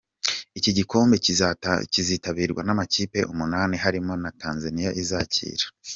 Iki gikombe kizitabirwa n’amakipe umunani harimo na Tanzania izakira.